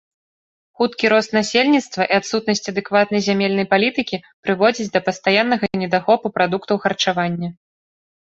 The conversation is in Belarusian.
Хуткі рост насельніцтва і адсутнасць адэкватнай зямельнай палітыкі прыводзяць да пастаяннага недахопу прадуктаў харчавання.